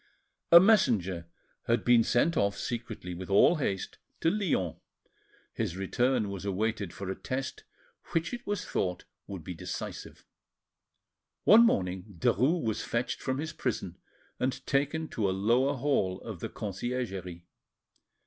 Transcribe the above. A messenger had been sent off secretly with all haste to Lyons; his return was awaited for a test which it was thought would be decisive. One morning Derues was fetched from his prison and taken to a lower hall of the Conciergerie.